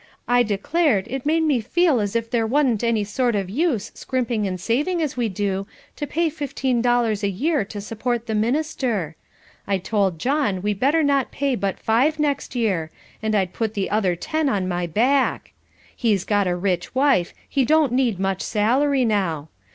I declared, it made me feel as if there wa'n't any sort of use scrimping and saving as we do, to pay fifteen dollars a year to support the minister; I told John we better not pay but five next year, and I'd put the other ten on my back. He's got a rich wife, he don't need much salary now.